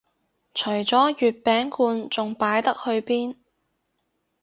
除咗月餅罐仲擺得去邊